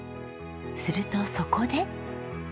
するとそこで。